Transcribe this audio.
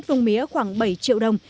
nhưng chỉ thu được khoảng ba mươi triệu đồng